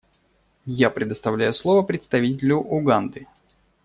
Я предоставляю слово представителю Уганды.